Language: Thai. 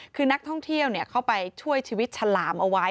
คือนักท่องเที่ยวเข้าไปช่วยชีวิตฉลามเอาไว้